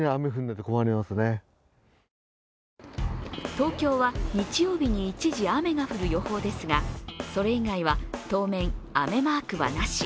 東京は、日曜日に一時雨が降る予報ですが、それ以外は当面、雨マークはなし。